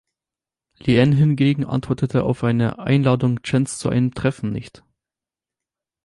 Lien hingegen antwortete auf eine Einladung Chens zu einem Treffen nicht.